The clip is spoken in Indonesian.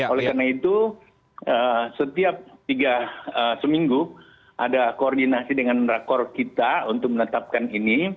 oleh karena itu setiap tiga seminggu ada koordinasi dengan rakor kita untuk menetapkan ini